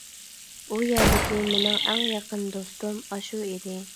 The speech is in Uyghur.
ئۇ يەردىكى مېنىڭ ئەڭ يېقىن، دوستۇم ئاشۇ ئىدى.